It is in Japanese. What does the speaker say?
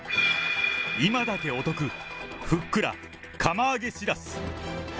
今だけお得、ふっくら、釜揚げシラス。